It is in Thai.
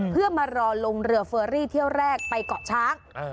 เพื่อมารอลงเรือเฟอรี่เที่ยวแรกไปเกาะช้าง